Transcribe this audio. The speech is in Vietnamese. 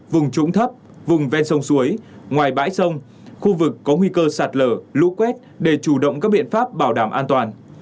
vùng trũng thấp vùng ven sông suối ngoài bãi sông khu vực có nguy cơ sạt lở lũ quét để chủ động các biện pháp bảo đảm an toàn